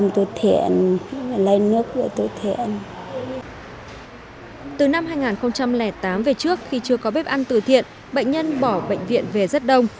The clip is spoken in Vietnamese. từ năm hai nghìn tám về trước khi chưa có bếp ăn từ thiện bệnh nhân bỏ bệnh viện về rất đông